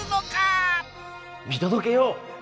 見届けよう！